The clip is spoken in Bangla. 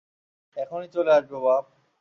এখনি চলে আসব, বাপ।